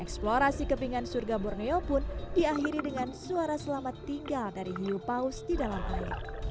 eksplorasi kepingan surga borneo pun diakhiri dengan suara selamat tinggal dari hiu paus di dalam air